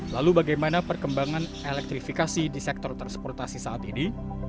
lalu bagaimana perkembangan elektrifikasi di sektor transportasi saat ini